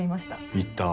言った。